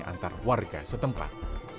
antar warga setempat